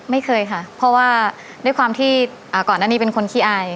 ไม่เคยค่ะเพราะว่าด้วยความที่ก่อนหน้านี้เป็นคนขี้อาย